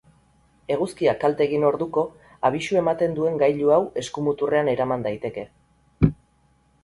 Eguzkiak kalte egin orduko abisu ematen duen gailu hau eskumuturrean eraman daiteke.